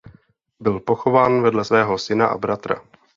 Byl pochován vedle svého syna a bratra.